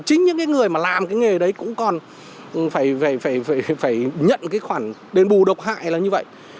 chính những cái người mà làm cái nghề đấy cũng còn phải nhận cái khoản đền bù độc hại là như vậy